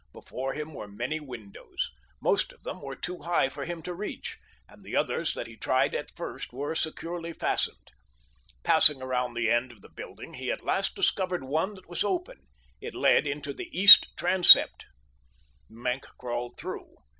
Before him were many windows. Most of them were too high for him to reach, and the others that he tried at first were securely fastened. Passing around the end of the building, he at last discovered one that was open—it led into the east transept. Maenck crawled through.